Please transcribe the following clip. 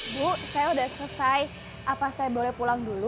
bu saya sudah selesai apa saya boleh pulang dulu